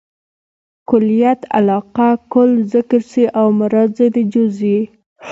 کلیت علاقه؛ کل ذکر سي او مراد ځني جز يي.